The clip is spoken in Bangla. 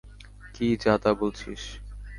কী যা-তা বলছিস?